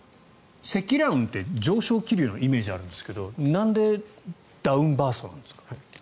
積乱雲って上昇気流のイメージがあるんですがなんでダウンバーストなんですか？